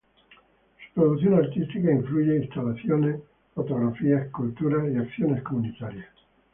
Su producción artística incluye instalaciones, fotografía, escultura y acciones comunitarias.